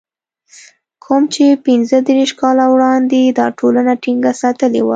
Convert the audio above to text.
کوم چې پنځه دېرش کاله وړاندې دا ټولنه ټينګه ساتلې وه.